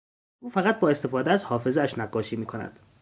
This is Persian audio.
او فقط با استفاده از حافظهاش نقاشی می کند.